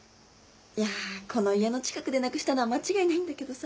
いやこの家の近くでなくしたのは間違いないんだけどさ。